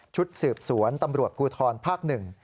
ชุดสืบสวนตำรวจภูทรภาคหนึ่ง